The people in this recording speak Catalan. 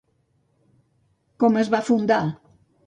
Com es va fundar?